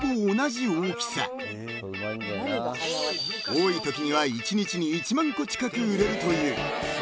［多いときには１日に１万個近く売れるという］